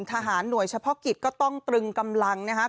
หน่วยเฉพาะกิจก็ต้องตรึงกำลังนะครับ